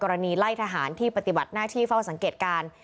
ไล่ทหารที่ปฏิบัติหน้าที่เฝ้าสังเกตการณ์